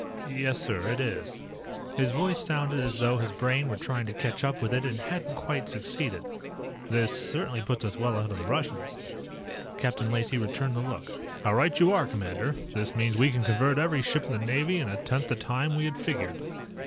"Yes, sir, it is." His voice sounded as though his brain were trying to catch up with it and hadn't quite succeeded. "This certainly puts us well ahead of the Russians." Captain Lacey returned the look. "How right you are, commander. This means we can convert every ship in the Navy in a tenth the time we had figured."